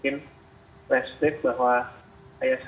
terima kasih kepada tni indonesia